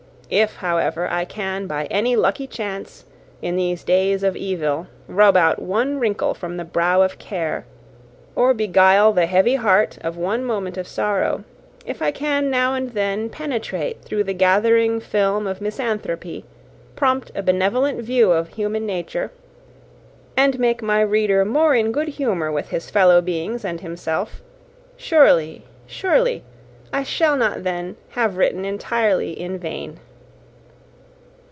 If, however, I can by any lucky chance, in these days of evil, rub out one wrinkle from the brow of care, or beguile the heavy heart of one moment of sorrow; if I can now and then penetrate through the gathering film of misanthropy, prompt a benevolent view of human nature, and make my reader more in good humour with his fellow beings and himself, surely, surely, I shall not then have written entirely in vain.